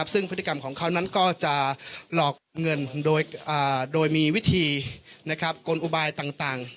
ซึ่งพฤติกรรมของเขานั้นก็จะหลอกเงินโดยมีวิธีกลอุบายต่าง